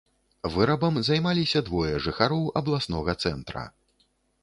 Вырабам займаліся двое жыхароў абласнога цэнтра.